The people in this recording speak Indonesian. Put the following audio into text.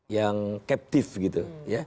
yang captive gitu